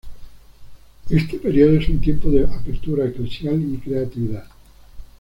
Este período es un tiempo de apertura eclesial y creatividad.